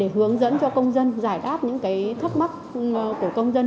hướng dẫn cho công dân giải đáp những thắc mắc của công dân